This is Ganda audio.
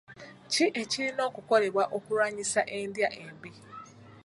Ki ekirina okukolebwa okulwanyisa endya embi?